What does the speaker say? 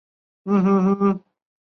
后燕时率军五万屯兵潞川。